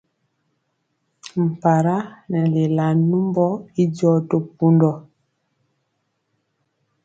Mpara nɛ lelaa numbɔ i jɔ to pundɔ.